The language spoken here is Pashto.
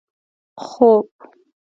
خوب